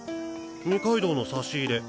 二階堂の差し入れ。